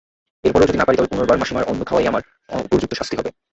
এরপরেও যদি না পারি তবে পুনর্বার মাসিমার অন্ন খাওয়াই আমার উপযুক্ত শাস্তি হবে।